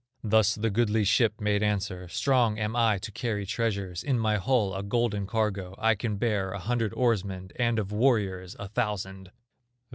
Thus the goodly ship made answer: "Strong am I to carry treasures, In my hull a golden cargo; I can bear a hundred oarsmen, And of warriors a thousand."